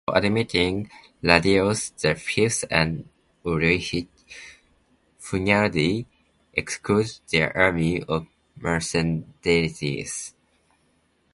While admitting Ladislaus the Fifth and Ulrich, Hunyadi excluded their army of mercenaries.